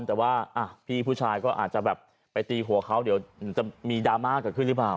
แต่ว่าพี่ผู้ชายก็อาจจะแบบไปตีหัวเขาเดี๋ยวจะมีดราม่าเกิดขึ้นหรือเปล่า